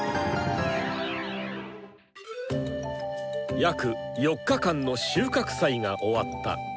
約４日間の収穫祭が終わった。